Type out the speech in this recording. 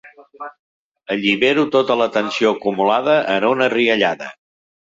Allibero tota la tensió acumulada en una riallada.